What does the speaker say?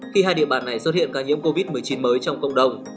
khi hai địa bàn này xuất hiện ca nhiễm covid một mươi chín mới trong cộng đồng